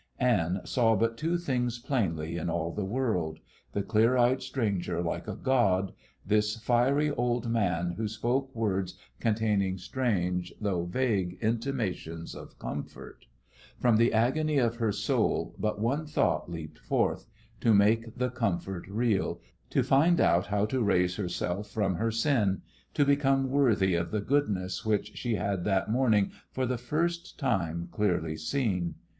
'" Anne saw but two things plainly in all the world the clear eyed stranger like a god; this fiery old man who spoke words containing strange, though vague, intimations of comfort. From the agony of her soul but one thought leaped forth to make the comfort real, to find out how to raise herself from her sin, to become worthy of the goodness which she had that morning for the first time clearly seen.